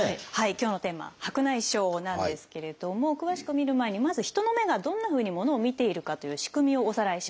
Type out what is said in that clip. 今日のテーマ「白内障」なんですけれども詳しく見る前にまず人の目がどんなふうに物を見ているかという仕組みをおさらいします。